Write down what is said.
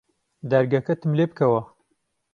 دەرگەکەتم لێ بکەوە